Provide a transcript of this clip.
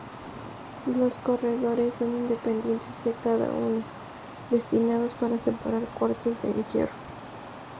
Los corredores son independientes de cada uno, destinados para separar cuartos de entierro.